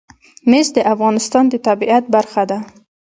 مس د افغانستان د طبیعت برخه ده.